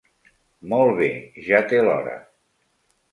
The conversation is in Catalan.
Molt bé, ja té l'hora.